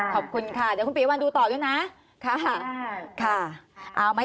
ขอบคุณค่ะเดี๋ยวคุณปียะวันกดตรองด้วยนะ